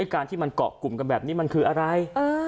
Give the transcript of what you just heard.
การที่มันเกาะกลุ่มกันแบบนี้มันคืออะไร